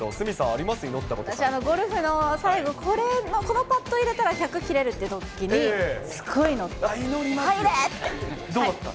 私、ゴルフの最後、これ、このパット入れたら、１００切れるっていうときに、すごい祈った。